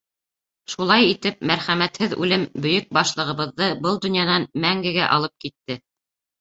Шулай итеп, мәрхәмәтһеҙ үлем Бөйөк Башлығыбыҙҙы был донъянан мәнгегә алып китте.